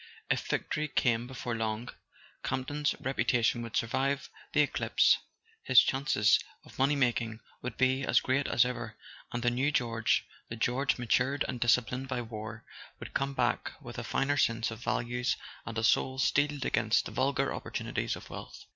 If victory came before long, Campton's repu¬ tation would survive the eclipse, his chances of money [ 122 ] A SON AT THE FRONT making would be as great as ever, and the new George, the George matured and disciplined by war, would come back with a finer sense of values, and a soul steeled against the vulgar opportunities of wealth.